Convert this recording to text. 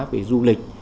về du lịch